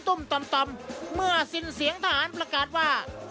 ต่อมเมื่อสิ้นเสียงทหารประกาศว่า